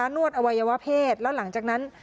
นวดอวัยวะเพศแล้วหลังจากนั้น